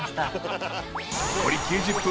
［残り９０分。